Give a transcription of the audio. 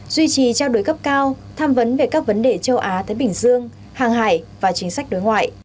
duy trì trao đổi cấp cao tham vấn về các vấn đề châu á thái bình dương hàng hải và chính sách đối ngoại